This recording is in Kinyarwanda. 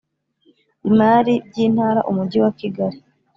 imari by intara umujyi wa kigali